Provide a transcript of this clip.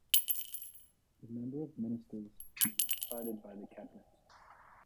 The number of ministers can be decided by the cabinet.